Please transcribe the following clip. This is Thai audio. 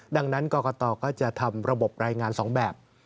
ดังนั้นกรกตก็จะทำระบบรายงาน๒แบบ